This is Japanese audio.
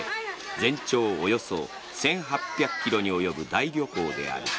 全長およそ１８００ｋｍに及ぶ大旅行である。